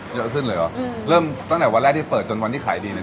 เยอะขึ้นเลยเหรออืมเริ่มตั้งแต่วันแรกที่เปิดจนวันที่ขายดีเนี่ย